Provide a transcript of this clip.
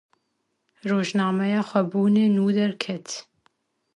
Rojnameya Xwebûnê nû derket.